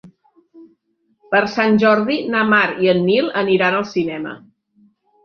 Per Sant Jordi na Mar i en Nil aniran al cinema.